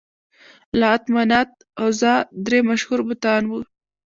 لات، منات، عزا درې مشهور بتان وو.